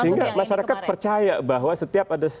sehingga masyarakat percaya bahwa setiap ada satu orang